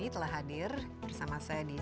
saya jadi pemerintah sekali